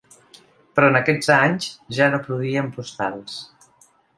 Però en aquests anys ja no produïen postals.